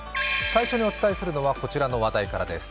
最初にお伝えするのは、こちらの話題からです。